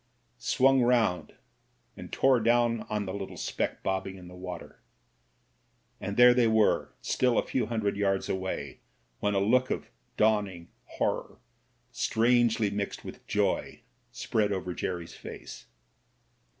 swung round and tore down on the little speck bobbing in the water. And they were still a few hundred yards away when a look of dawning horror strangely mixed with joy spread over Jerry's face.